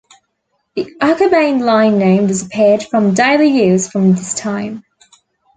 The Akabane Line name disappeared from daily use from this time.